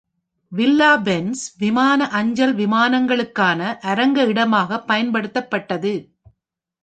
Villa Benz விமான அஞ்சல் விமானங்களுக்கான அரங்க இடமாக பயன்படுத்தப்பட்டது.